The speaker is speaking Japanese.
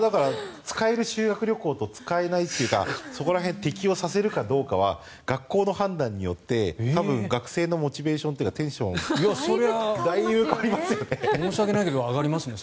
使えるものと使えないというかそこら辺を適用させるかどうかは学校の判断によって学生のモチベーションがだいぶ変わりますよね。